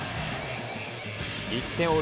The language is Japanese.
１点を追う